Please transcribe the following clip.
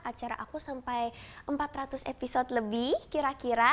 acara aku sampai empat ratus episode lebih kira kira